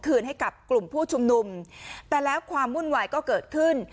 คืนให้กับกลุ่มผู้ชุมนุมแต่แล้วความวุ่นวายก็เกิดขึ้น